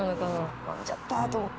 いっちゃったと思って。